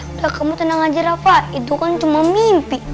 udah kamu tenang aja rafa itu kan cuma mimpi